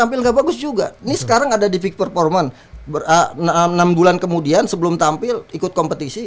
ini sekarang ada di pick performance berakam enam bulan kemudian sebelum tampil ikut kompetisi